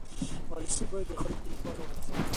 پالیسي باید د خلکو لپاره واضح وي.